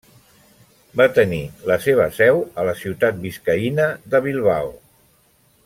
Va tenir la seva seu a la ciutat biscaïna de Bilbao.